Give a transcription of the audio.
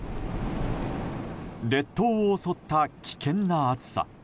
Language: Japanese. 列島を襲った危険な暑さ。